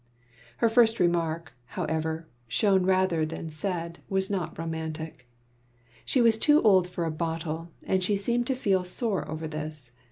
Her first remark, however, shown rather than said, was not romantic. She was too old for a bottle, and she seemed to feel sore over this.